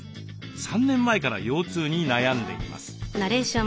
３年前から腰痛に悩んでいます。